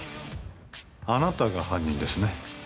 あなたが犯人ですね。